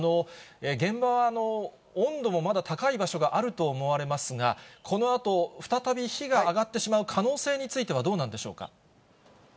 現場は温度もまだ高い場所があると思われますが、このあと再び火が上がってしまう可能性についてはどうなんでしょ